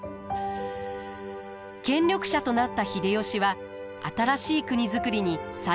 権力者となった秀吉は新しい国造りに才覚を発揮します。